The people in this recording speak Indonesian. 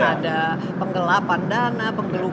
ada penggelapan dana